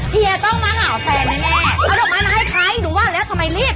เฮียต้องมาเห่าแฟนแน่เอาดอกไม้มาให้ใครหนูว่าแล้วทำไมเรียก